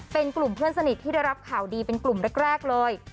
เป็นกลุ่มเพื่อนสนิทที่ได้รับข่าวดีเป็นกลุ่มแรกเลย